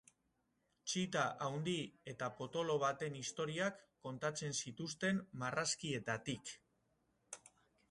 Txita haundi eta potolo baten istorioak kontatzen zituzten marrazkietatik.